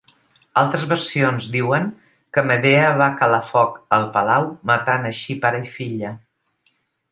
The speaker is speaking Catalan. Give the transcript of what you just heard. Altres versions diuen que Medea va calar foc al palau matant així pare i filla.